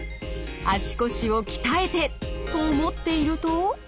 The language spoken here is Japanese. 足腰を鍛えて！と思っていると。